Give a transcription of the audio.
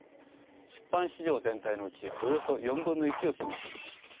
出版市場全体のうちおよそ４分の１を占めています。